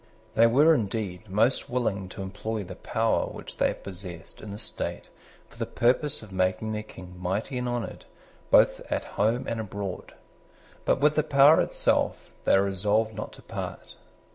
They were indeed most willing to employ the power which they possessed in the state for the purpose of making their King mighty and honoured, both at home and abroad: but with the power itself they were resolved not to part.